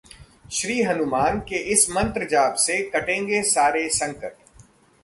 श्री हनुमान के इस मंत्र जाप से कटेंगे सारे संकट...